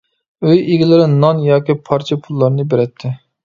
ئۆي ئىگىلىرى نان ياكى پارچە پۇللارنى بېرەتتى.